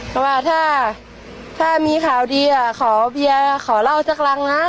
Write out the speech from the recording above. ก็ว่าถ้ามีข่าวดีอ่ะขอเบียร์ขอเหล้าจักรังนะ